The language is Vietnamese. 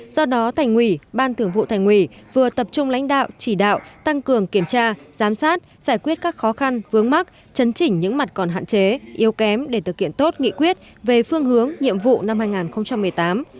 do đó thành ủy ban thưởng vụ thành ủy vừa tập trung lãnh đạo chỉ đạo tăng cường kiểm tra giám sát giải quyết các khó khăn vướng mắt chấn chỉnh những mặt còn hạn chế yếu kém để thực hiện tốt nghị quyết về phương hướng nhiệm vụ năm hai nghìn một mươi tám